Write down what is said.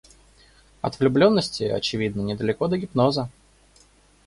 От влюбленности, очевидно, недалеко до гипноза.